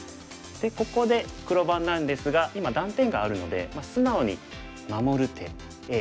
でここで黒番なんですが今断点があるので素直に守る手Ａ。